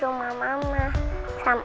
di rumah mama sama sus